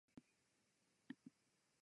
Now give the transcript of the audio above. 嵐の前の静けさ